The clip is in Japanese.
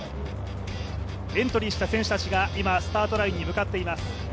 エントリーした選手たちが今スタートラインに向かっています。